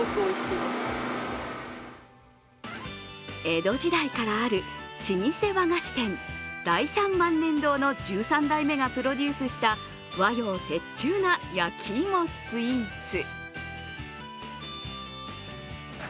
江戸時代からある、老舗和菓子店・大三萬年堂の１３代目がプロデュースした、和洋折衷な焼き芋スイーツ。